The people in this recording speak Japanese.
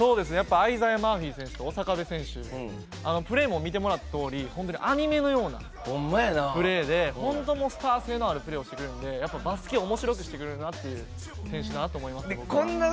アイザイアマーフィーと小酒部選手プレーを見てもらったとおりアニメのようなプレーで本当、スター性のあるプレーをしてくれるのでバスケをおもしろくしてくれる選手ですね。